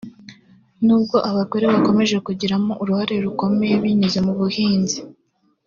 nubwo abagore bakomeje kurigiramo uruhare rukomeye binyuze mu buhinzi